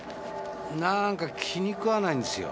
なんか気に食わないんですよ。